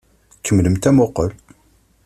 Kemmlemt amuqqel!